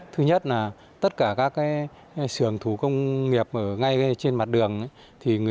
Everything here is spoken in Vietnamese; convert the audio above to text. thứ nhất là tất cả các sưởng thủ công nghiệp ở ngay trên mặt đường